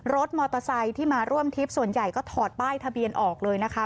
รถมอเตอร์ไซค์ที่มาร่วมทริปส่วนใหญ่ก็ถอดป้ายทะเบียนออกเลยนะคะ